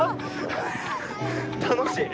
楽しい。